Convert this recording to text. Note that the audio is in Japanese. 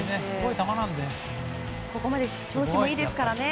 ここまで調子もいですからね。